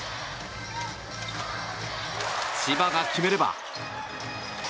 千葉が決めれば。